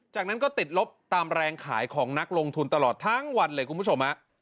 จากนั้นก็ติดลบตามแรงขายของนักลงทุนตลอดทั้งวันเลยคุณผู้ชมฮะ